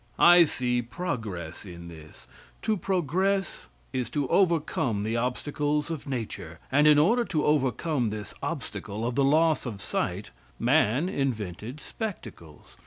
I see progress in this. To progress is to overcome the obstacles of nature, and in order to overcome this obstacle of the loss of sight man invented spectacles.